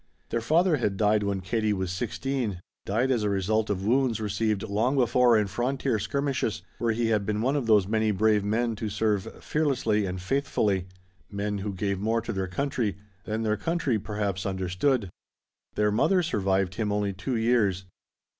Their father had died when Katie was sixteen, died as a result of wounds received long before in frontier skirmishes, where he had been one of those many brave men to serve fearlessly and faithfully, men who gave more to their country than their country perhaps understood. Their mother survived him only two years.